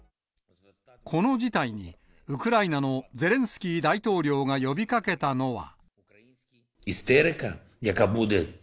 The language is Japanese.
この事態に、ウクライナのゼレンスキー大統領が呼びかけたのは。